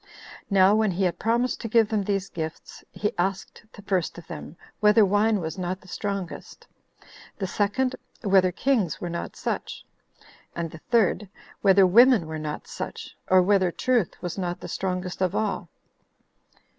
Now when he had promised to give them these gifts, he asked the first of them, "Whether wine was not the strongest?"the second, "Whether kings were not such?"and the third, "Whether women were not such? or whether truth was not the strongest of all?"